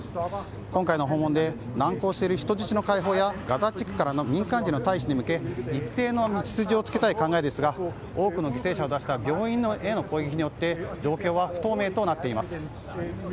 今回の訪問で難航している人質の解放やガザ地区からの民間人の退避に向け一定の道筋をつけたい考えですが多くの犠牲者を出した病院への攻撃によって状況は不透明となっています。